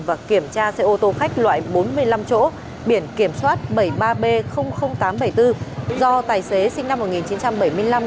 và kiểm tra xe ô tô khách loại bốn mươi năm chỗ biển kiểm soát bảy mươi ba b tám trăm bảy mươi bốn do tài xế sinh năm một nghìn chín trăm bảy mươi năm